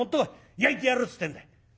焼いてやるっつってんだよ。いいぞ。